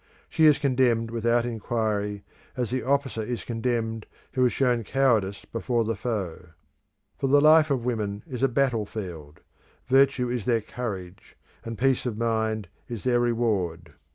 She is condemned without inquiry, as the officer is condemned who has shown cowardice before the foe. For the life of women is a battlefield: virtue is their courage, and peace of mind is their reward.